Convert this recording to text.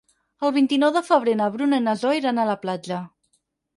El vint-i-nou de febrer na Bruna i na Zoè iran a la platja.